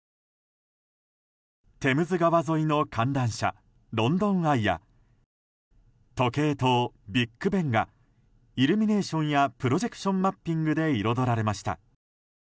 テムズ川沿いの観覧車ロンドン・アイや時計塔ビッグベンがイルミネーションやプロジェクションマッピングで彩られました。